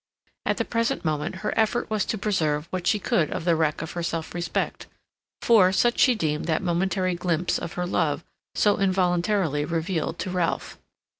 At the present moment her effort was to preserve what she could of the wreck of her self respect, for such she deemed that momentary glimpse of her love so involuntarily revealed to Ralph.